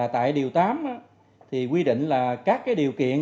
tại điều tám thì quy định là các điều kiện